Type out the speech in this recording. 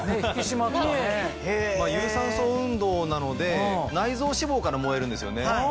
有酸素運動なので内臓脂肪から燃えるんですよね。